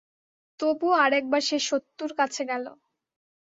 তবুও আর একবার সে সত্যুর কাছে গেল।